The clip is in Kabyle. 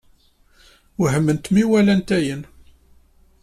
Wehment mi walant ayen.